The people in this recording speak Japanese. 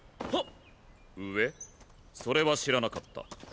それは知らなかった！